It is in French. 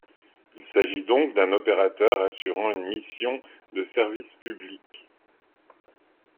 Il s'agit donc d'un opérateur assurant une mission de service public.